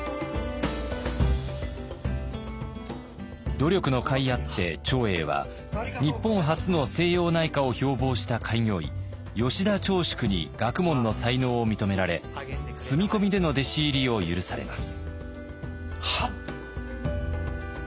努力のかいあって長英は日本初の西洋内科を標ぼうした開業医吉田長淑に学問の才能を認められ住み込みでの弟子入りを許されます。